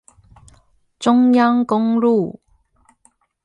中央公路